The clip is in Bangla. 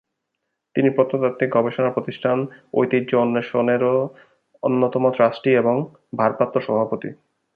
তিনি প্রত্নতাত্ত্বিক গবেষণা প্রতিষ্ঠান- ঐতিহ্য অন্বেষণ-এরও অন্যতম ট্রাস্টি এবং ভারপ্রাপ্ত সভাপতি।